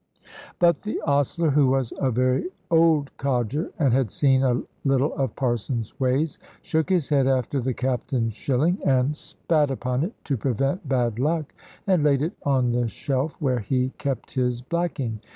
But the ostler, who was a very old codger, and had seen a little of Parson's ways, shook his head after the Captain's shilling, and spat upon it to prevent bad luck, and laid it on the shelf where he kept his blacking.